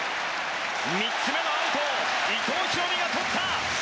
３つ目のアウトを伊藤大海がとった！